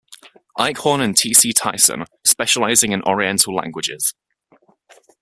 Eichhorn and T. C. Tychsen, specialising in oriental languages.